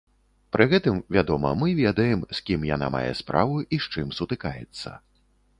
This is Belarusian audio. Пры гэтым, вядома, мы ведаем, з кім яна мае справу і з чым сутыкаецца.